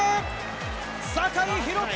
酒井宏樹！